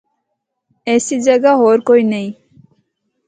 ایسی جگہ ہور کوئی نیں۔